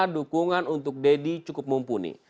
dukungan untuk deddy cukup mumpuni